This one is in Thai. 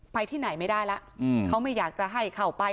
ที่ไหนไม่ได้แล้วเขาไม่อยากจะให้เข้าไป